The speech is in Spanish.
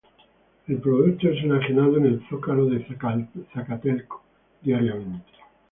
El producto es enajenado en el zócalo de Zacatelco diariamente.